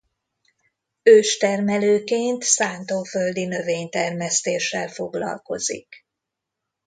Őstermelőként szántóföldi növénytermesztéssel foglalkozik.